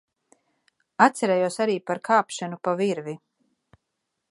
Atcerējos arī par kāpšanu pa virvi.